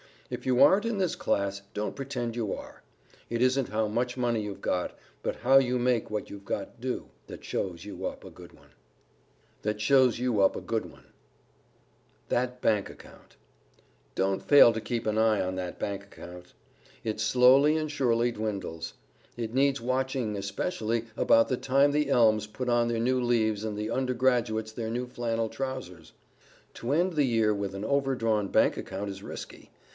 If you aren't in this class, don't pretend you are. It isn't how much money you've got, but how you make what you've got do, that shows you up a good one. [Sidenote: THAT BANK ACCOUNT] Don't fail to keep one eye on that bank account. It slowly and surely dwindles. It needs watching especially, about the time the elms put on their new leaves, and the undergraduates their new flannel trousers. To end the year with an over drawn bank account is risky.